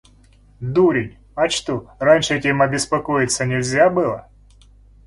Дурень, а что, раньше этим обеспокоиться нельзя было?